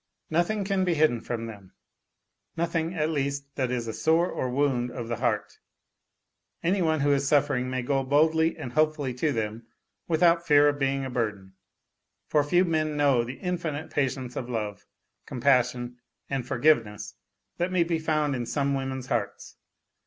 Nothing can be hidden from them, nothing, at least, that is a sore or wound of the heart. Any one who is suffering may go boldly and hopefully to them without fear of being a burden, for few men know the infinite patience of love, compassion and forgiveness that may be found in some women's hearts.